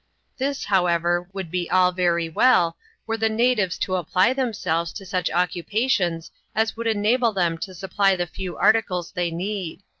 This, however, would be all very well, were the natives to apply themselves to such occupations as would enable them to supply the few articles they need.